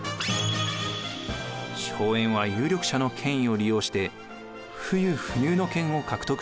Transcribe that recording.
荘園は有力者の権威を利用して不輸不入の権を獲得していきます。